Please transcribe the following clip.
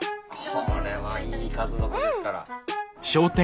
これはいい数の子ですから。